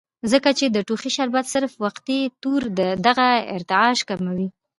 ځکه چې د ټوخي شربت صرف وقتي طور دغه ارتعاش کموي